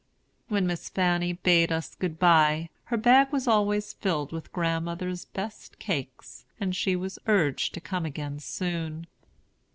When Miss Fanny bade us "Good by," her bag was always filled with grandmother's best cakes, and she was urged to come again soon.